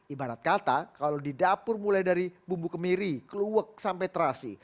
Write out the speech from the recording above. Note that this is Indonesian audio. ibarat kata kalau di dapur mulai dari bumbu kemiri kluwek sampai terasi